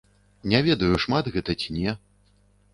Не ведаю, шмат гэта ці не.